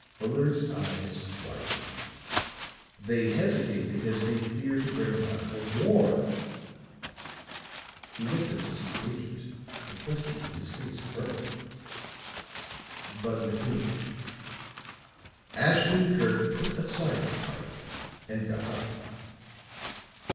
Fuller's eyes widened. "They hesitate because they fear to bring about a war." He looked at the secret agent, the question in his face growing. "But with whom?" Ashton Kirk put aside the pipe and got up.